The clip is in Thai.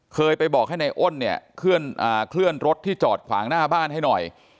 เคยไปบอกให้ในอ้นเนี้ยเคลื่อนอ่าเคลื่อนรถที่จอดขวางหน้าบ้านให้หน่อย